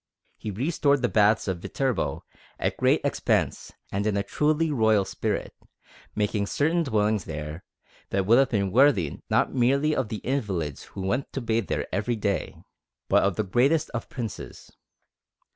He restored the baths of Viterbo at great expense and in a truly royal spirit, making certain dwellings there that would have been worthy not merely of the invalids who went to bathe there every day, but of the greatest of Princes.